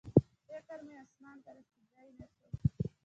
فکر مې اسمان ته رسېدی نه شو